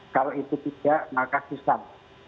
kalau itu tidak maka susah